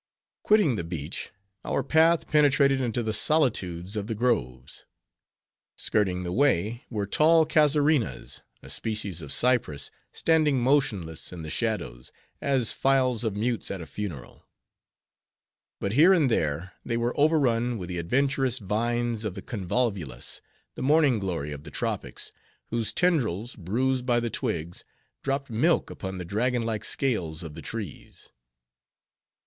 Quitting the beach, our path penetrated into the solitudes of the groves. Skirting the way were tall Casaurinas, a species of cypress, standing motionless in the shadows, as files of mutes at a funeral. But here and there, they were overrun with the adventurous vines of the Convolvulus, the Morning glory of the Tropics, whose tendrils, bruised by the twigs, dropped milk upon the dragon like scales of the trees.